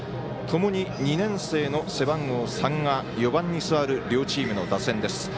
ともに２年生の背番号３が４番に座る両チームの打線です。